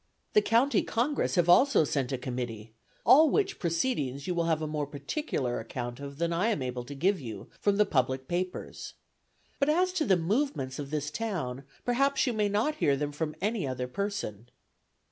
The County Congress have also sent a committee; all which proceedings you will have a more particular account of than I am able to give you, from the public papers. But as to the movements of this town, perhaps you may not hear them from any other person.